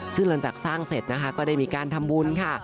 ซึ่งหลังจากสร้างเสร็จนะคะก็ได้มีการทำบุญค่ะ